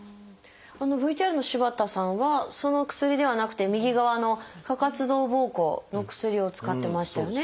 ＶＴＲの柴田さんはその薬ではなくて右側の過活動ぼうこうの薬を使ってましたよね。